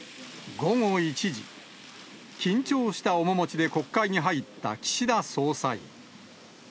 午後１時、緊張した面持ちで国会に入った岸田総裁。